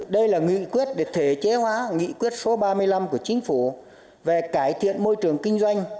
đây là nghị quyết để thể chế hóa nghị quyết số ba mươi năm của chính phủ về cải thiện môi trường kinh doanh